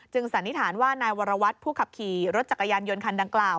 สันนิษฐานว่านายวรวัตรผู้ขับขี่รถจักรยานยนต์คันดังกล่าว